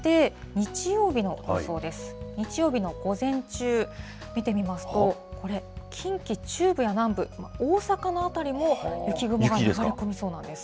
日曜日の午前中、見てみますと、これ、近畿中部や南部、大阪の辺りも雪雲が近づきそうなんです。